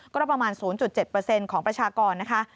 ก็ประมาณ๐๗ของประชากรนะคะ